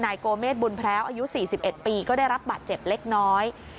นายกลเมฆบุญแพ้อายุสี่สิบเอ็ดปีก็ได้รับบัดเจ็บเล็กน้อย